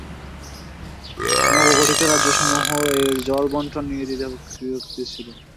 নবগঠিত রাজ্যসমূহ এর জল বণ্টন নিয়ে দ্বিধাবিভক্ত ছিল।